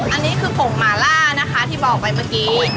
อันนี้คือผงหมาล่านะคะที่บอกไปเมื่อกี้